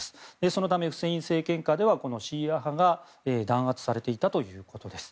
そのためフセイン政権下ではシーア派が弾圧されていたということです。